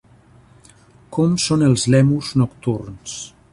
Com són els lèmurs nocturns?